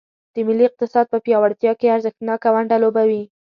د ملي اقتصاد په پیاوړتیا کې ارزښتناکه ونډه لوبوي.